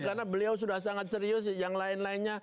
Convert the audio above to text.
karena beliau sudah sangat serius yang lain lainnya